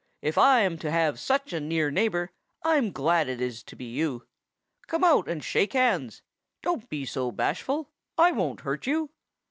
If I am to have such a near neighbor, I'm glad it is to be you. Come out and shake hands. Don't be so bashful. I won't hurt you."